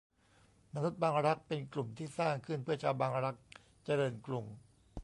มนุษย์บางรัก เป็นกลุ่มที่สร้างขึ้นเพื่อชาวบางรัก เจริญกรุง